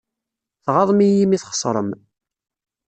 Tɣaḍem-iyi imi txeṣṛem.